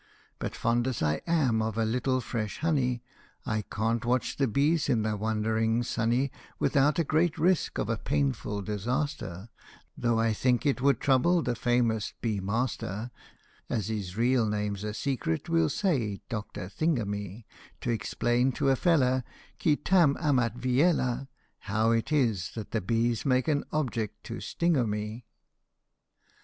But fond as I am of a little fresh honey, I can't watch the bees in their wanderings sunny Without a great risk of a painful disaster, Though I think it would trouble the famous " Beemaster " (As his real name 's a secret, we '11 say Dr. Thingamy) To explain to a "fellah," Qui tarn amat mella, How it is that the bees make an object to sting o' me.